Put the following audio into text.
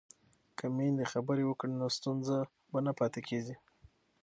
که میندې خبرې وکړي نو ستونزه به نه پاتې کېږي.